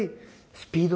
スピード？